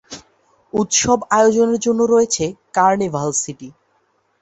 উৎসব আয়োজনের জন্য রয়েছে কার্নিভাল সিটি।